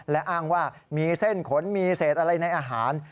และอ้างว่ามีเส้นขนมีเศษอะไรในอาหาร